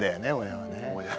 親はね。